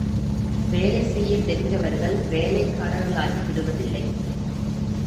வேலை செய்யத் தெரிந்தவர்கள் வேலைக்காரர்களாகி விடுவதில்லை.